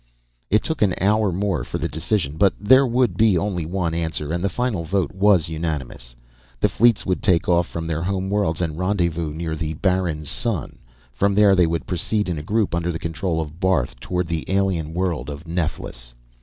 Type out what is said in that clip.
It took an hour more for the decision. But there would be only one answer, and the final vote was unanimous. The fleets would take off from their home worlds and rendezvous near the barren sun; from there, they would proceed in a group, under the control of Barth, toward the alien world of Neflis.